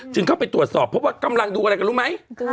เข้าไปตรวจสอบเพราะว่ากำลังดูอะไรกันรู้ไหม